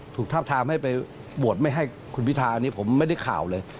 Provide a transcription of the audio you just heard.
ทาบทามให้ไปโหวตไม่ให้คุณพิธานี่ผมไม่ได้ข่าวเลย